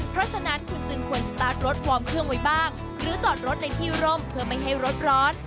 เพราะฉะนั้นคุณจึงควรสตาร์ทรถวอร์มเครื่องไว้บ้างหรือจอดรถในที่ร่มเพื่อไม่ให้รถร้อน